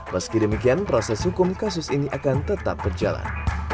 meski demikian proses hukum kasus ini akan tetap berjalan